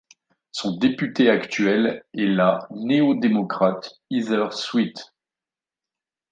Son député actuel est la Néo-démocrate Heather Sweet.